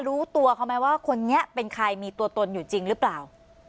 รู้ตัวเขาไหมว่าคนนี้เป็นใครมีตัวตนอยู่จริงหรือเปล่า